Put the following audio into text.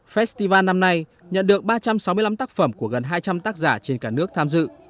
festival năm nay nhận được ba trăm sáu mươi năm tác phẩm của gần hai trăm linh tác giả trên cả nước tham dự